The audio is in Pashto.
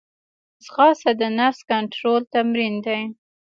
ځغاسته د نفس کنټرول تمرین دی